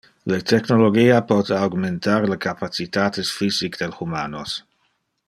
Le technologia pote augmentar le capacitates physic del humanos.